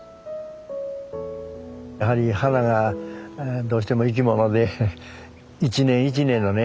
やはり花がどうしても生き物で一年一年のね